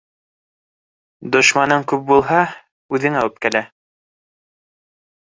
Дошманың күп булһа, үҙеңә үпкәлә.